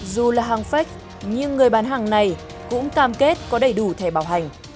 dù là hàng phách nhưng người bán hàng này cũng cam kết có đầy đủ thẻ bảo hành